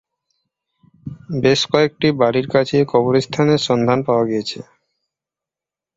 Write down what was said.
বেশ কয়েকটি বাড়ির কাছে কবরস্থানের সন্ধান পাওয়া গিয়েছে।